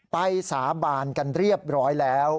สาบานกันเรียบร้อยแล้ว